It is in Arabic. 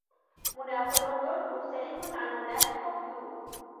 مناخ لندن مختلف عن مناخ طوكيو.